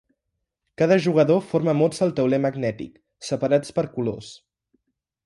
Cada jugador forma mots al tauler magnètic, separats per colors.